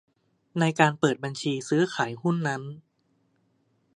ในการเปิดบัญชีซื้อขายหุ้นนั้น